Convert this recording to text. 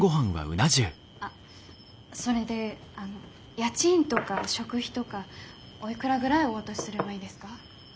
あっそれで家賃とか食費とかおいくらぐらいお渡しすればいいですか？